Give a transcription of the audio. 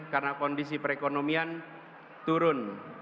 karena kondisi perekonomian turun